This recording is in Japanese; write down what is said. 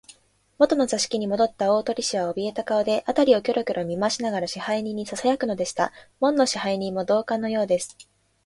もとの座敷にもどった大鳥氏は、おびえた顔で、あたりをキョロキョロと見まわしながら、支配人にささやくのでした。門野支配人も同感のようです。